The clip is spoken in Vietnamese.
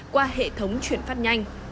qua hệ thống chuyển phát nhanh